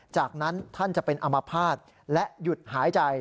จากนั้นท่านจะเป็นอมภาษณ์และหยุดหายใจ